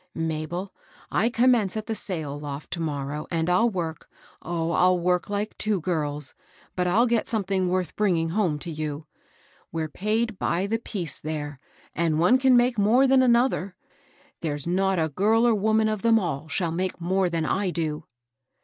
" Mabel, I commence at the sail loft to morrow, and I'll work, — oh, I'll work like two girls, but I'll get something worth bringing home to you I We're paid by the piece there, and one can make more than another. There's not a girl or woman of them all shall make more than I do."